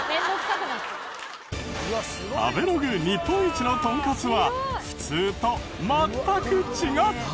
食べログ日本一のトンカツは普通と全く違った！